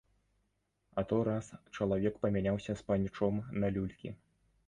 А то раз чалавек памяняўся з панічом на люлькі.